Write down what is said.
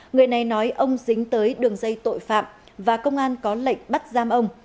người này nói ông dính tới đường dây tội phạm và công an có lệnh bắt giam ông